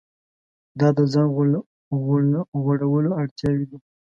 دا د ځان غوړولو اړتیاوې دي.